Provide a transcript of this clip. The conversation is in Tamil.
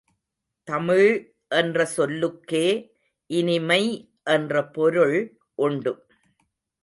தமிழ் என்ற சொல்லுக்கே இனிமை என்ற பொருள் உண்டு.